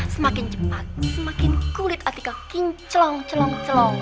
semakin cepat semakin kulit artika kinclong